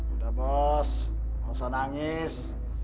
udah bos nggak usah nangis